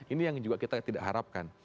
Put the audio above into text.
ini yang juga kita tidak harapkan